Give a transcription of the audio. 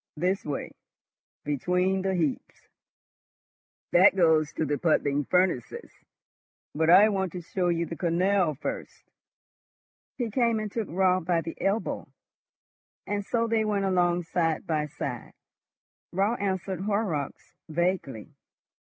This way, between the heaps. That goes to the puddling furnaces, but I want to show you the canal first." He came and took Raut by the elbow, and so they went along side by side. Raut answered Horrocks vaguely.